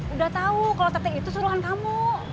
udah tau kalau tete itu suruhan kamu